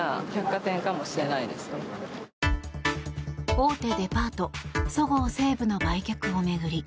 大手デパートそごう・西武の売却を巡り